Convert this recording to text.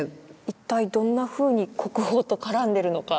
一体どんなふうに国宝と絡んでるのか。